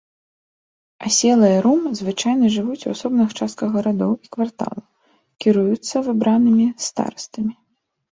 Аселыя ром звычайна жывуць у асобных частках гарадоў і кварталаў, кіруюцца выбранымі старастамі.